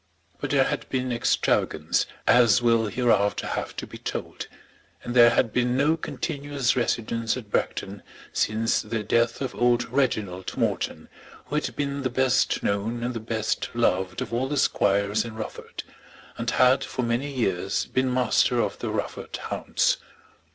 But there had been extravagance, as will hereafter have to be told, and there had been no continuous residence at Bragton since the death of old Reginald Morton, who had been the best known and the best loved of all the squires in Rufford, and had for many years been master of the Rufford hounds.